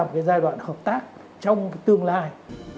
một cái giai đoạn hợp tác trong tương lai